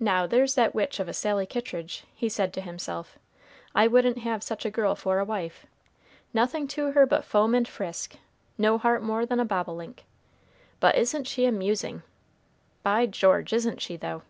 "Now there's that witch of a Sally Kittridge," he said to himself; "I wouldn't have such a girl for a wife. Nothing to her but foam and frisk, no heart more than a bobolink! But isn't she amusing? By George! isn't she, though?"